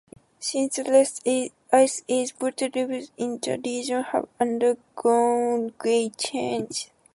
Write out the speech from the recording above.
Since the last Ice Age, water levels in the region have undergone great changes.